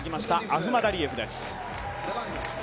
アフマダリエフです。